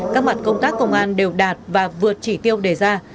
các mặt công tác công an đều đạt và vượt chỉ tiêu đề ra